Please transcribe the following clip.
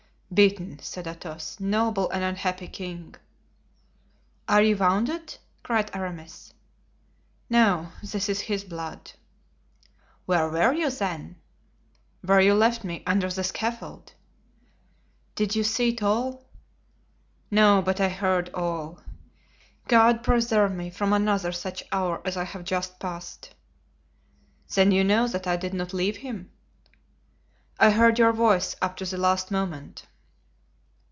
"Beaten!" said Athos. "Noble and unhappy king!" "Are you wounded?" cried Aramis. "No, this is his blood." "Where were you, then?" "Where you left me—under the scaffold." "Did you see it all?" "No, but I heard all. God preserve me from another such hour as I have just passed." "Then you know that I did not leave him?" "I heard your voice up to the last moment."